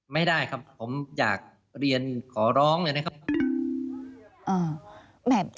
ไม่ได้ครับผมอยากเรียนขอร้องเลยนะครับ